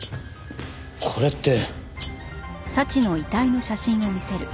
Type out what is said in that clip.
これって。